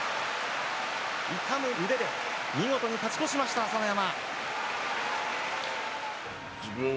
痛む腕で、見事に勝ち越しました、朝乃山。